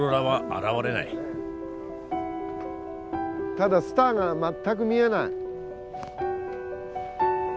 ただスターが全く見えない。